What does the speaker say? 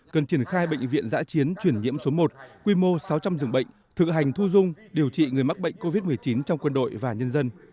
cần triển khai bệnh viện giã chiến chuyển nhiễm số một quy mô sáu trăm linh dường bệnh thực hành thu dung điều trị người mắc bệnh covid một mươi chín trong quân đội và nhân dân